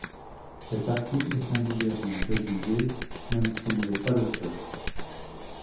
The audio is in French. Cet article est singulièrement rédigé – même s’il n’est pas le seul.